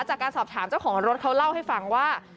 จากการสอบถามเจ้าของรถเขาเล่าให้ฟังว่า